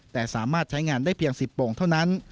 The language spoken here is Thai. แต่สามารถใช้งานได้เพียง๑๐โป่งเท่านั้น